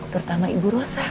terutama ibu rosa